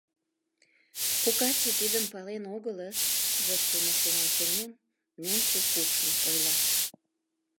Кокатше тидым пален огылыс, — воштылмо шумым сеҥен, Ненси кукшын ойла.